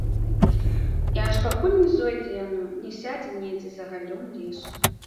І аж пакуль не зойдзе яно, не сядзе недзе за галлём лесу.